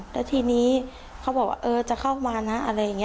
แล้วทีนี้เขาบอกว่าเออจะเข้ามานะอะไรอย่างนี้